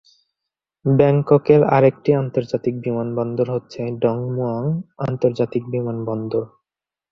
ব্যাংককের আরেকটি আন্তর্জাতিক বিমানবন্দর হচ্ছে ডন মুয়াং আন্তর্জাতিক বিমানবন্দর।